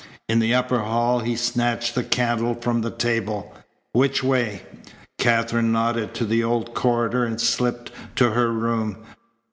In the upper hall he snatched the candle from the table. "Which way?" Katherine nodded to the old corridor and slipped to her room.